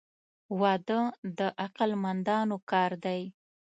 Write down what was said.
• واده د عقل مندانو کار دی.